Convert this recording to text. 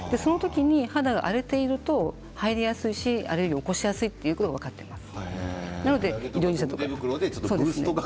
肌が荒れていると入りやすいしアレルギーを起こしやすいということが分かっています。